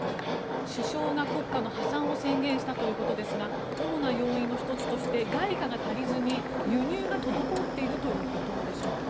首相が国家の破産を宣言したということですが主な要因の１つとして外貨が足りずに輸入が滞っているということでしょうか。